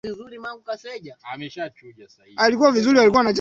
Ndoa ya kimaasai Kutokana na tamaduni za Kimasai ni kuwa